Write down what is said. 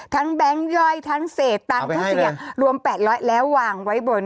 แบงค์ย่อยทั้งเศษตังค์ทั้งเสียงรวม๘๐๐แล้ววางไว้บน